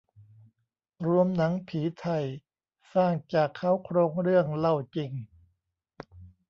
รวมหนังผีไทย สร้างจากเค้าโครงเรื่องเล่าจริง